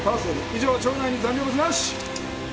以上腸内に残留物なし。